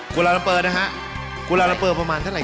เวลาลัมเปอร์นะฮะกุลาลัมเปอร์ประมาณเท่าไห